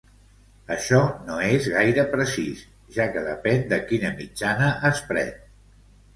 Això no és gaire precís, ja que depèn de quina mitjana es pren.